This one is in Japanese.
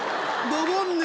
ドボンヌ！